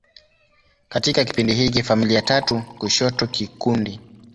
Katika kipindi hiki, familia tatu kushoto kikundi.